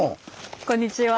こんにちは。